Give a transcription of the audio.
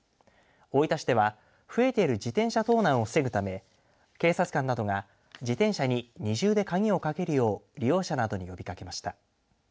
大分市では、増えている自転車盗難を防ぐため警察官などが自転車に二重で鍵をかけるよう利用者などに呼びかけました。